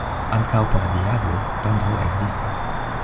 Ankaŭ por diablo tondro ekzistas.